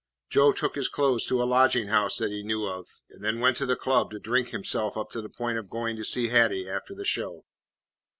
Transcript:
Joe took his clothes to a lodging house that he knew of, and then went to the club to drink himself up to the point of going to see Hattie after the show.